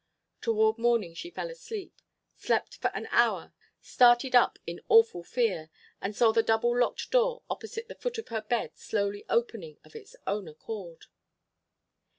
Toward morning she fell asleep, slept for an hour, started up in awful fear. And saw the double locked door opposite the foot of her bed slowly opening of its own accord.